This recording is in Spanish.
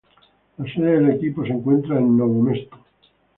La sede del equipo se encuentra en Novo Mesto.